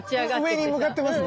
上に向かってますね。